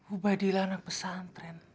ubadillah anak pesantren